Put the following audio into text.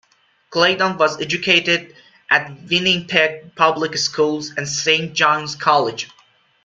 Claydon was educated at Winnipeg public schools and Saint Johns College.